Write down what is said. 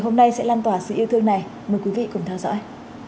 hôm nay sẽ lan tỏa sự yêu thương này mời quý vị cùng theo dõi